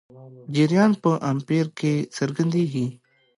جریان په امپیر کې څرګندېږي.